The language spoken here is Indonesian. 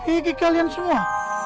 ini kalian semua